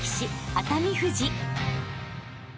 熱海富士］